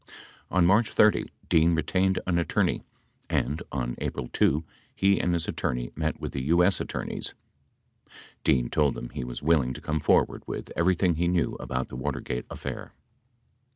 71 On March 30, Dean retained an attorney, and, on April 2, he and his attorney met with the U.S. Attorneys. Dean told them he was will ing to come forward with everything he knew about the Watergate affair.